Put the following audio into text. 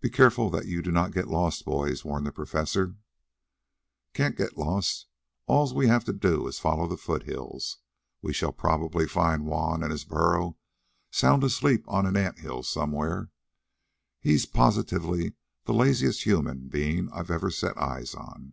"Be careful that you do not get lost, boys," warned the Professor. "Can't get lost. All we have to do is to follow the foothills. We shall probably find Juan and his burro sound asleep on an ant hill somewhere. He's positively the laziest human being I ever set eyes on."